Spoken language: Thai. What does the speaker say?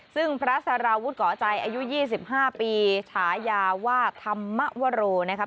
ซึ่งพระสารวุฒิเกาะใจอายุ๒๕ปีฉายาว่าธรรมวโรนะครับ